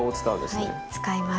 はい使います。